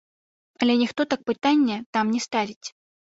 Але ніхто так пытанне там не ставіць.